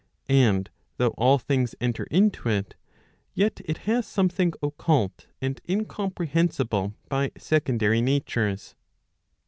And though all things enter into it, yet it has something occult, and incompre¬ hensible by secondary natures.